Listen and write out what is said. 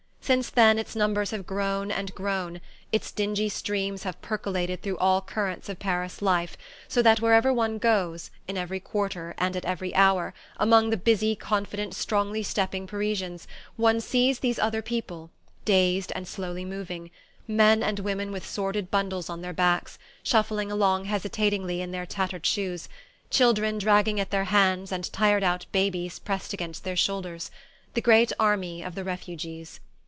Since then its numbers have grown and grown, its dingy streams have percolated through all the currents of Paris life, so that wherever one goes, in every quarter and at every hour, among the busy confident strongly stepping Parisians one sees these other people, dazed and slowly moving men and women with sordid bundles on their backs, shuffling along hesitatingly in their tattered shoes, children dragging at their hands and tired out babies pressed against their shoulders: the great army of the Refugees.